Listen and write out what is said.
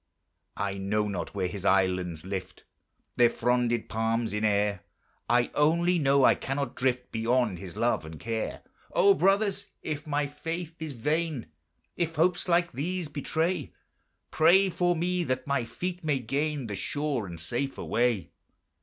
I know not where His islands lift Their fronded palms in air; I only know I cannot drift Beyond His love and care. O brothers! if my faith is vain, If hopes like these betray, Pray for me that my feet may gain The sure and safer way.